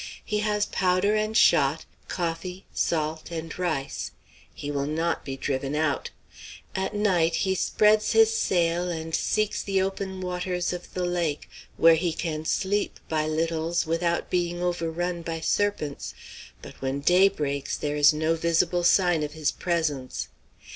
He has powder and shot, coffee, salt, and rice; he will not be driven out! At night he spreads his sail and seeks the open waters of the lake, where he can sleep, by littles, without being overrun by serpents; but when day breaks, there is no visible sign of his presence.